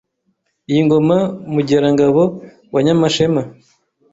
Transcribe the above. Iyi ngoma Mugerangabo wa Nyamashema